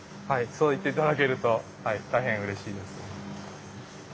そう言って頂けると大変うれしいです。